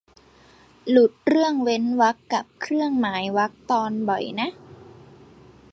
หลุดเรื่องเว้นวรรคกับเครื่องหมายวรรคตอนบ่อยนะ